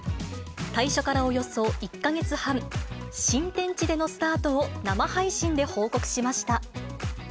退所からおよそ１か月半、新天地でのスタートを生配信で報告しました。